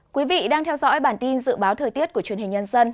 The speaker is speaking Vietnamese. quý vị đang theo dõi bản tin dự báo thời tiết của truyền hình nhân dân